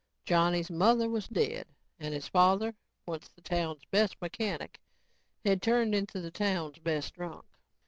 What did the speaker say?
Johnny's mother was dead and his father, once the town's best mechanic, had turned into the town's best drunk.